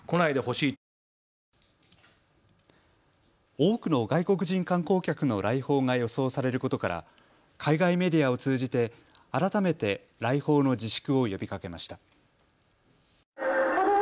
多くの外国人観光客の来訪が予想されることから海外メディアを通じて改めて来訪の自粛を呼びかけました。